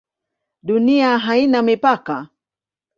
Dunia haina mipaka?